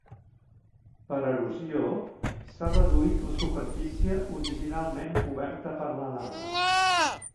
Per erosió s'ha reduït la superfície originalment coberta per la lava.